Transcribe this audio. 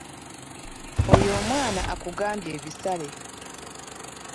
Oyo omwana akugambye ebisale.